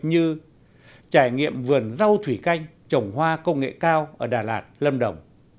như trải nghiệm vườn rau thủy canh trồng hoa công nghệ cao ở đà lạt lâm đồng